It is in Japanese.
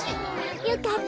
よかった。